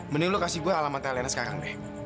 mending lo kasih gue alamat nalena sekarang deh